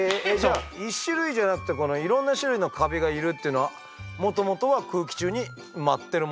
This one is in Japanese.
１種類じゃなくていろんな種類のカビがいるっていうのはもともとは空気中に舞ってるものということですか？